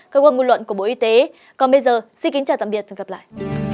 cơ quan ngôn luận của bộ y tế còn bây giờ xin kính chào tạm biệt và hẹn gặp lại